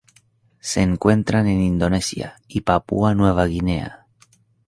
Se encuentran en Indonesia y Papúa Nueva Guinea.